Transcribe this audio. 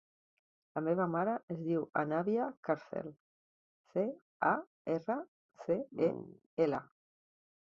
La meva mare es diu Anabia Carcel: ce, a, erra, ce, e, ela.